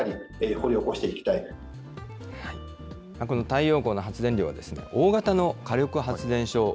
この太陽光の発電量は、大型の火力発電所